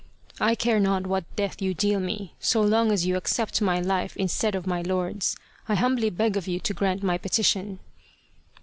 " I care not what death you deal me, so long as you accept my life instead of my lord's. I humbly beg of you to grant my petition."